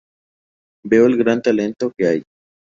Veo el gran talento que hay.